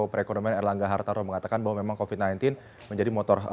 perekonomian erlangga hartarto mengatakan bahwa memang covid sembilan belas menjadi motor